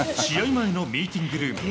前のミーティングルーム。